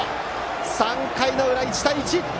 ３回の裏、１対１。